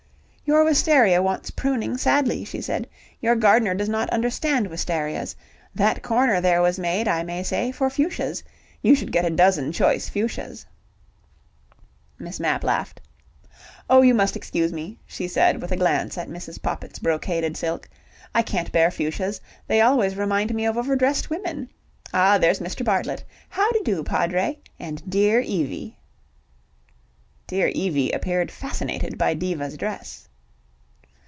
"Your wistaria wants pruning sadly," she said. "Your gardener does not understand wistarias. That corner there was made, I may say, for fuchsias. You should get a dozen choice fuchsias." Miss Mapp laughed. "Oh, you must excuse me," she said with a glance at Mrs. Poppit's brocaded silk. "I can't bear fuchsias. They always remind me of over dressed women. Ah, there's Mr. Bartlett. How de do, Padre. And dear Evie!" Dear Evie appeared fascinated by Diva's dress.